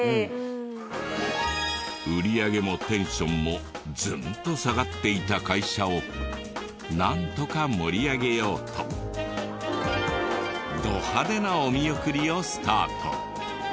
売り上げもテンションもズンと下がっていた会社をなんとか盛り上げようとド派手なお見送りをスタート。